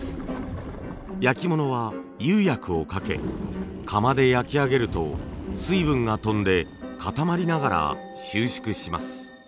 焼き物は釉薬をかけ窯で焼き上げると水分が飛んで固まりながら収縮します。